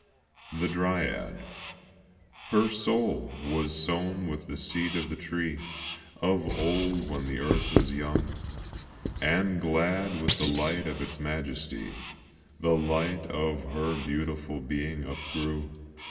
The Dryad Her soul was sown with the seed of the tree Of old when the earth was young, And glad with the light of its majesty The light of her beautiful being upgrew.